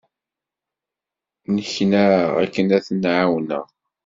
Nneknaɣ akken ad ten-ɛawneɣ.